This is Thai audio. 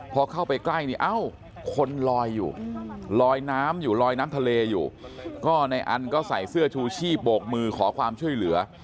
พอเข้าไปใกล้นี่เอ้าคนลอยอยู่ลอยน้ำอยู่ลอยน้ำทะเลอยู่ก็ในอันก็ใส่เสื้อชูชีพโบกมือขอความช่วยเหลือ